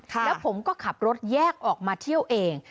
แล้วผมก็ขับรถแยกออกมาเที่ยวเอง